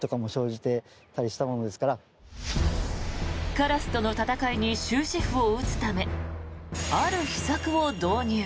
カラスとの戦いに終止符を打つためある秘策を導入。